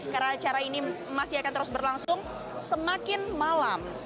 karena acara ini masih akan terus berlangsung semakin malam